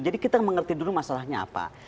jadi kita mengerti dulu masalahnya apa